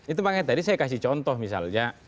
itu makanya tadi saya kasih contoh misalnya